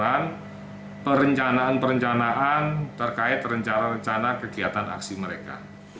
jadi ini adalah perencanaan perencanaan terkait rencana rencana kegiatan aksi mereka